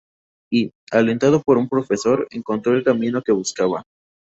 Y, alentado por un profesor, encontró el camino que buscaba.